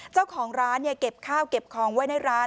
เจ้าของร้านเก็บข้าวเก็บของไว้ในร้าน